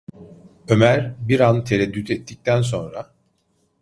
Ömer bir an tereddüt ettikten sonra: